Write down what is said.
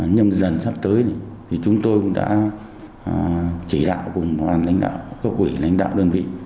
nhưng dần sắp tới thì chúng tôi cũng đã chỉ đạo cùng các quỷ lãnh đạo đơn vị